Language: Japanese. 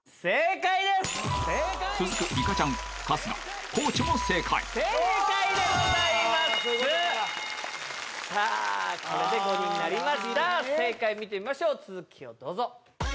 正解見てみましょう続きをどうぞ。